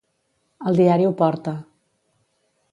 El diari ho porta.